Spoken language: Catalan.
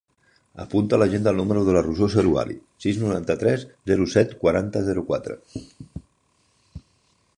Apunta a l'agenda el número de la Rosó Zerouali: sis, noranta-tres, zero, set, quaranta, zero, quatre.